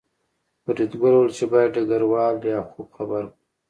فریدګل وویل چې باید ډګروال لیاخوف خبر کړو